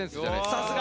さすが。